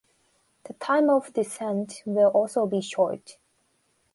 The time of descent will also be short